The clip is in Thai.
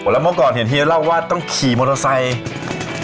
แล้วเมื่อก่อนเห็นเฮียเล่าว่าต้องขี่มอเตอร์ไซค์